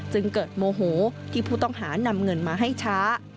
จึงเกิดโมโหที่ผู้ต้องหานำเงินมาให้ช้า